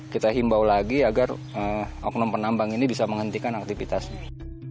kita himbau lagi agar oknum penambang ini bisa menghentikan aktivitasnya